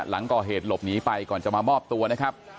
หลังก่อเหตุหลบหนีไปก่อนจะมามอบตัวนะครับ